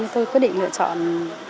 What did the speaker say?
tôi quyết định lựa chọn